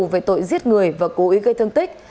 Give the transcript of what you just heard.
về tội giết người và cố ý gây thương tích